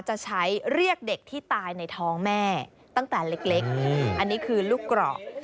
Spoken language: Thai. จะใช้เรียกเด็กที่ตายในท้องแม่ตั้งแต่เล็กอันนี้คือลูกกรอก